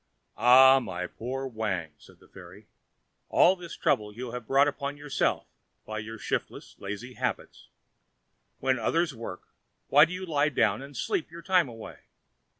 "Ah, my poor Wang," said the fairy, "all this trouble you have brought upon yourself by your shiftless, lazy habits. When others work, why do you lie down and sleep your time away?